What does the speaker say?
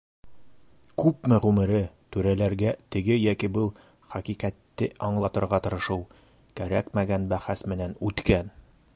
Күпме ғүмере түрәләргә теге йәки был хәҡиҡәтте аңлатырға тырышыу, кәрәкмәгән бәхәс менән үткән!